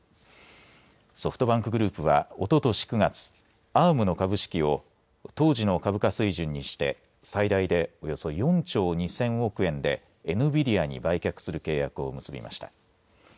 ソフトバンクグループはおととし９月Ａｒｍの株式を当時の株価水準にして最大で、およそ４兆２０００億円でエヌビディアに売却する契約を結びました。